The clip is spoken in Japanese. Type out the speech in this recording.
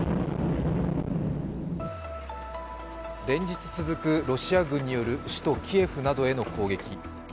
連日続く、ロシア軍による首都キエフなどへの攻撃。